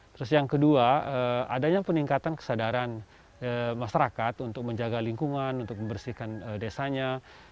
terus yang kedua adanya peningkatan kesadaran masyarakat untuk menjaga lingkungan untuk membersihkan desanya